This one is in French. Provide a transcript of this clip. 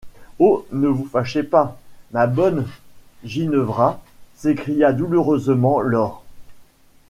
Oh! ne vous fâchez pas, ma bonne Ginevra, s’écria douloureusement Laure.